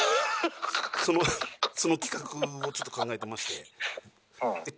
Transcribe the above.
その企画をちょっと考えてまして。